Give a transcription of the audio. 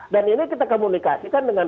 dan ini kita komunikasikan dengan